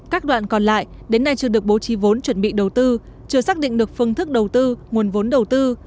các đoạn còn lại đến nay chưa được bố trí vốn chuẩn bị đầu tư chưa xác định được phương thức đầu tư nguồn vốn đầu tư